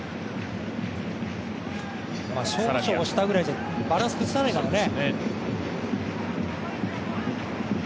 少々押したぐらいじゃバランス崩さないからね。